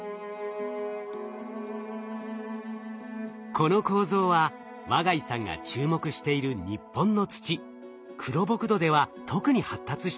この構造は和穎さんが注目している日本の土黒ボク土では特に発達しています。